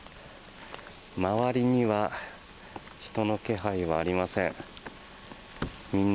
周りには人の気配はありません。